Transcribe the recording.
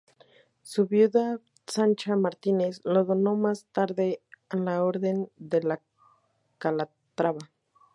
Su viuda, Sancha Martínez, lo donó más tarde a la Orden de Calatrava.